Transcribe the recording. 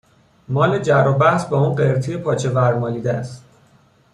مال جر و بحث با اون قرتی پاچه ور مالیده اس